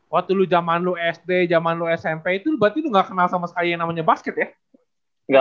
waktu lu jaman lu sd jaman lu smp itu berarti lu gak kenal sama sekali yang namanya basket ya